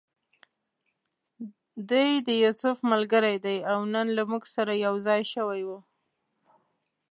دی د یوسف ملګری دی او نن له موږ سره یو ځای شوی و.